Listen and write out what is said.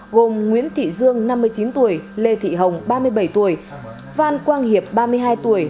gồm nguyễn thị dương năm mươi chín tuổi lê thị hồng ba mươi bảy tuổi phan quang hiệp ba mươi hai tuổi